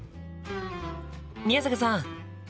宮坂さん！